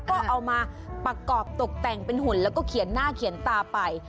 ก็เอามาประกอบตกแต่งเป็นหุ่นแล้วก็เขียนหน้าเขียนตาไป